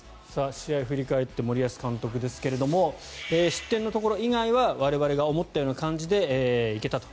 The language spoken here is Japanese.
試合を振り返って森保監督ですが失点のところ以外は我々が思ったような感じで行けたと。